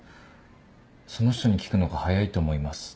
その人に聞くのが早いと思います。